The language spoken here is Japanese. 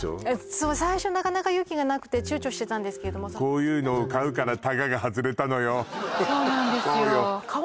そう最初なかなか勇気がなくて躊躇してたんですけどもこういうのを買うからたがが外れたのよそうなんですよ